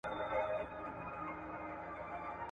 او هره ورځ چې رنګ راواخلي او پر سپينه پرده